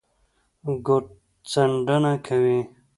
ګوتڅنډنه کوي